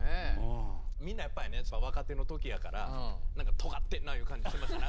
みんなやっぱりね若手の時やからなんかとがってるないう感じしましたね。